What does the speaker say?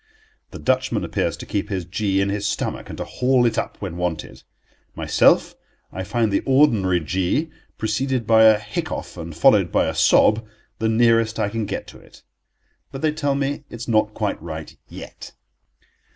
The Dutchman appears to keep his G in his stomach, and to haul it up when wanted. Myself, I find the ordinary G, preceded by a hiccough and followed by a sob, the nearest I can get to it. But they tell me it is not quite right, yet.